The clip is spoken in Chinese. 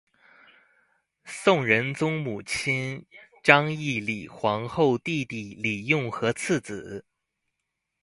宋仁宗母亲章懿李皇后弟弟李用和次子。